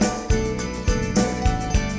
อยากจะได้แอบอิ่ง